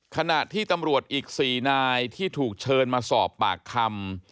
ขณะที่ตำรวจอีก๔นายที่ถูกเชิญมาสอบปากคำ